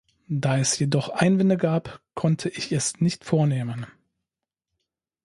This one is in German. Da es jedoch Einwände gab, konnte ich es nicht vornehmen.